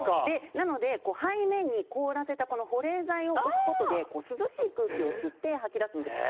なので、背面に凍らせた保冷剤を置くことで涼しい空気を吸って吐き出すんです。